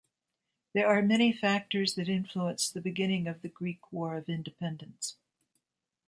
There are many factors that influence the beginning of the Greek War of Independence.